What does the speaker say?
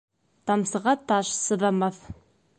Тамсыға таш сыҙамаҫ.